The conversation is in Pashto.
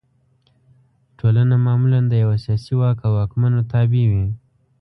ټولنه معمولا د یوه سیاسي واک او واکمنو تابع وي.